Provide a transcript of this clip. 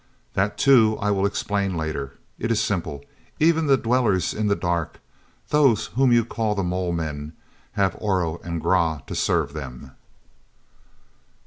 "That, too, I will explain later. It is simple; even the Dwellers in the Dark—those whom you call the mole men—have Oro and Grah to serve them."